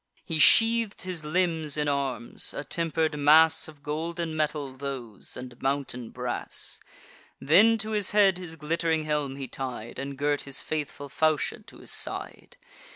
He sheath'd his limbs in arms; a temper'd mass Of golden metal those, and mountain brass. Then to his head his glitt'ring helm he tied, And girt his faithful falchion to his side.